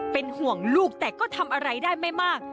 เป็นห่วงลูกแต่ก็ทำอะไรได้ไม่มาก